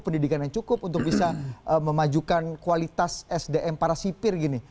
pendidikan yang cukup untuk bisa memajukan kualitas sdm para sipir gini